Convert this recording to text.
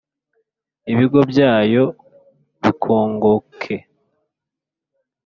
ibigo byayo bikongoke.